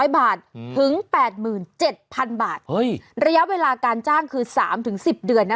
๒๖๑๐๐บาทถึง๘๗๐๐๐บาทระยะเวลาการจ้างคือ๓ถึง๑๐เดือนนะคะ